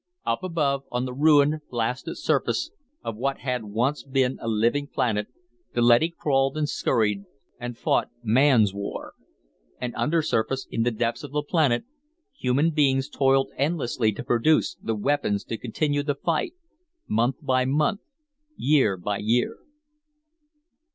Up above, on the ruined, blasted surface of what had once been a living planet, the leady crawled and scurried, and fought Man's war. And undersurface, in the depths of the planet, human beings toiled endlessly to produce the weapons to continue the fight, month by month, year by year.